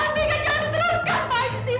mendingan jangan diteruskan